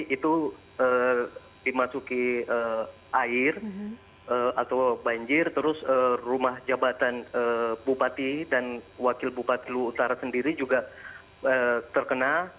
itu dimasuki air atau banjir terus rumah jabatan bupati dan wakil bupati lu utara sendiri juga terkena